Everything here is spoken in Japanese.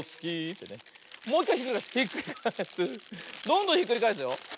どんどんひっくりがえすよ。